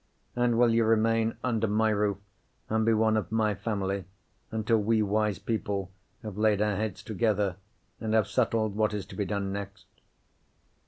And will you remain under my roof, and be one of my family, until we wise people have laid our heads together, and have settled what is to be done next?"